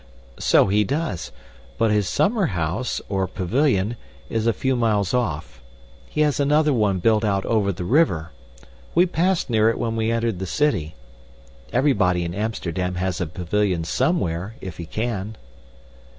"So he does; but his summer house, or pavilion, is a few miles off. He has another one built out over the river. We passed near it when we entered the city. Everybody in Amsterdam has a pavilion somewhere, if he can."